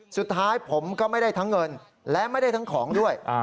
สุดท้ายผมก็ไม่ได้ทั้งเงินและไม่ได้ทั้งของด้วย